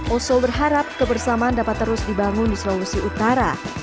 oso berharap kebersamaan dapat terus dibangun di sulawesi utara